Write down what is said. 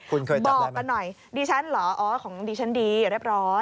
คุณเคยบอกกันหน่อยดิฉันเหรออ๋อของดิฉันดีเรียบร้อย